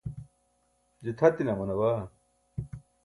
je tʰatine amana baa